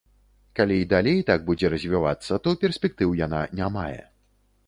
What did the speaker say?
Калі і далей так будзе развівацца, то перспектыў яна не мае.